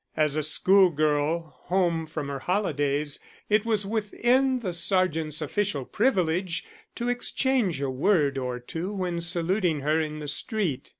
As a schoolgirl home from her holidays it was within the sergeant's official privilege to exchange a word or two when saluting her in the street.